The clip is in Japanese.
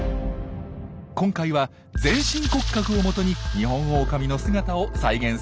今回は全身骨格をもとにニホンオオカミの姿を再現することにしました。